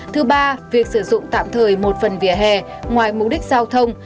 thứ ba việc sử dụng tạm thời một phần vỉa hè ngoài mục đích giao thông